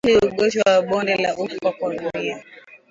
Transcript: Ugonjwa wa bonde la ufa kwa ngamia